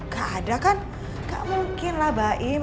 gak ada kan gak mungkin lah baim